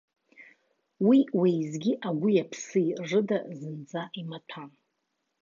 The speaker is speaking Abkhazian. Уи уеизгьы агәи аԥси рыда зынӡа имаҭәам.